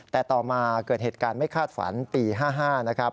แต่ต่อมาเกิดเหตุการณ์ไม่คาดฝันปี๕๕นะครับ